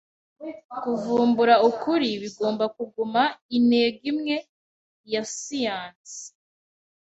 Kuvumbura ukuri bigomba kuguma intego imwe ya siyanse.